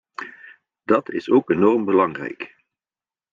Dat is ook enorm belangrijk.